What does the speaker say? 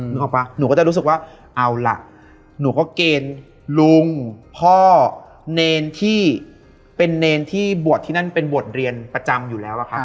นึกออกป่ะหนูก็จะรู้สึกว่าเอาล่ะหนูก็เกณฑ์ลุงพ่อเนรที่เป็นเนรที่บวชที่นั่นเป็นบวชเรียนประจำอยู่แล้วอะครับ